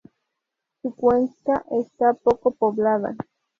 Su cuenca está poco poblada.